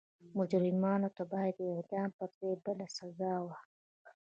مجرمانو ته به د اعدام پر ځای بله سزا وه.